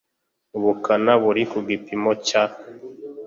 ubukana buri ku gipimo cya